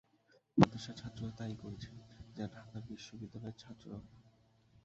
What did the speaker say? মাদ্রাসার ছাত্ররা তা ই করেছে, যা ঢাকা বিশ্ববিদ্যালয়ের ছাত্ররাও করে।